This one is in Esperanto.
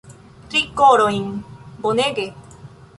Tri korojn, bonege